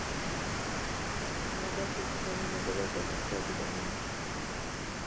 ما داسې وچکالي نه ده لیدلې خدای دې رحم وکړي.